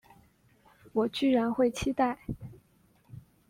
我居然会期待